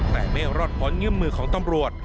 แต่ไม่รอดเพราะเงินมือของตำรวจ